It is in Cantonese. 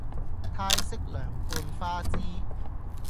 泰式涼拌花枝